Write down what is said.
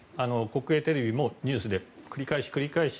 国営テレビもニュースで繰り返し繰り返し